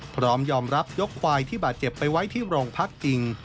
พร้อมยอมรับยกควายที่บาดเจ็บไปไว้ที่โรงพักจริง